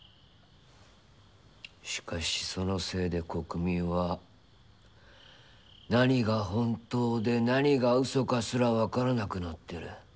しかしそのせいで国民は何が本当で何がうそかすら分からなくなってる。